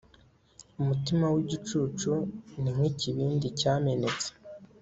umutima w'igicucu ni nk'ikibindi cyamenetse